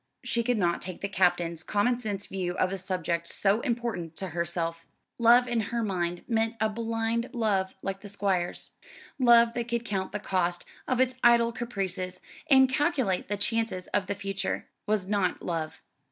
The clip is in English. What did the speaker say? She could not take the Captain's common sense view of a subject so important to herself. Love in her mind meant a blind indulgence like the Squire's. Love that could count the cost of its idol's caprices, and calculate the chances of the future, was not love.